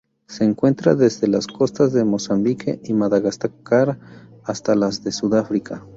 Se encuentra desde las costas de Mozambique y Madagascar hasta las de Sudáfrica.